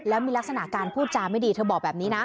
แล้วมีลักษณะการพูดจาไม่ดีเธอบอกแบบนี้นะ